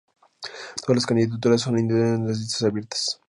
Todas las candidaturas son individuales y las listas abiertas.